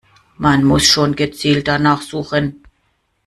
Man muss schon gezielt danach suchen.